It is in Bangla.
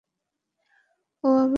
ও আমার স্বামী।